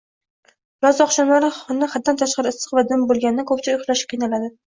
Yoz oqshomlari xona haddan tashqari issiq va dim bo`lganida ko`pchilik uxlashga qiynaladi.